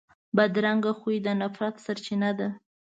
بدرنګه خوی د نفرت سرچینه ده